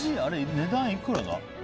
値段いくらだ？